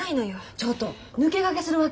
ちょっと抜け駆けするわけ？